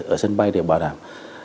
ở sân bay để bảo đảm